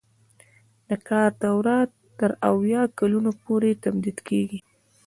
د کار دوره تر اویا کلونو پورې تمدید کیږي.